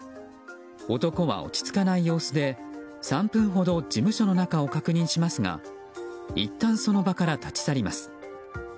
男は落ち着かない様子で３分ほど事務所の中を確認しますがいったん、その場から立ち去ります。